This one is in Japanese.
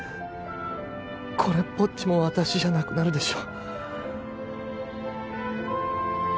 これっぽっちも私じゃなくなるでしょ